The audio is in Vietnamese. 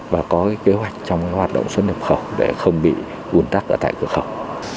và có kế hoạch trong hoạt động xuất nhập khẩu để không bị ủn tắc ở tại cửa khẩu